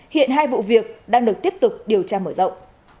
hiện hai vụ việc đang được tiếp tục điều tra mở rộng